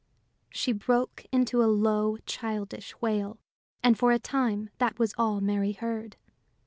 She broke into a low, childish wail, and for a time that was all Mary heard.